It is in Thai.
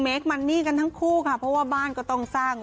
คมันนี่กันทั้งคู่ค่ะเพราะว่าบ้านก็ต้องสร้าง